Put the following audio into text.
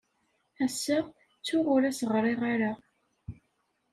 Ass-a, ttuɣ ur as-ɣriɣ ara.